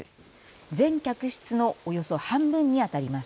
全客室のおよそ半分にあたります。